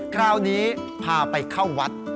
คราวนี้พาไปเข้าวัด